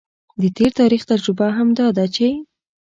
د تیر تاریخ تجربه هم دا ده چې